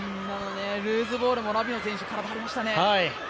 ルーズボールもラピノ選手絡まりましたね。